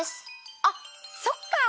あっそっか！